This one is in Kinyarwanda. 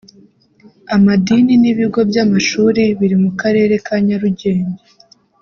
amadini n’ibigo by’amashuri biri mu karere ka Nyarugenge